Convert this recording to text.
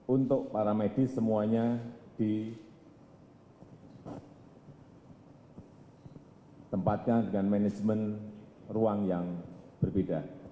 untuk para medis semuanya ditempatkan dengan manajemen ruang yang berbeda